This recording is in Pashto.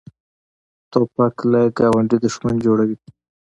توپک له ګاونډي دښمن جوړوي.